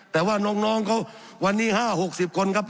แต่ว่าน้องน้องเขาวันนี้ห้าหกสิบคนครับ